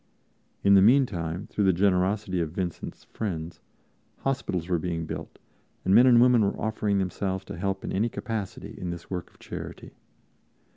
In the meantime, through the generosity of Vincent's friends, hospitals were being built and men and women were offering themselves to help in any capacity in this work of charity.